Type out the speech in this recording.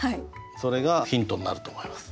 それがヒントになると思います。